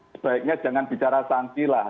sebaiknya jangan bicara sanksi lah